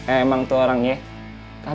emang tuh orang ya